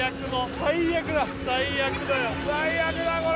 最悪だこれ！